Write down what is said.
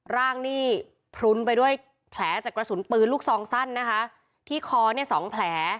ร่างนี่พลุนไปด้วยแผลจากกระสุนปืนลูกซองสั้นนะคะที่คอเนี่ยสองแผล